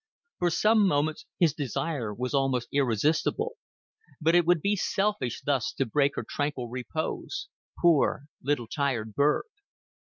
For some moments his desire was almost irresistible. But it would be selfish thus to break her tranquil repose poor little tired bird.